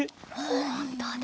ほんとだ。